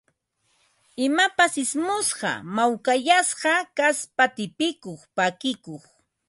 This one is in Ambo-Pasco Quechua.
Imapas ismusqa, mawkayasqa kaspa tipikuq, pakikuq